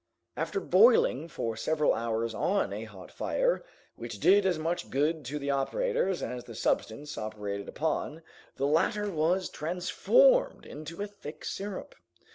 After boiling for several hours on a hot fire, which did as much good to the operators as the substance operated upon, the latter was transformed into a thick syrup.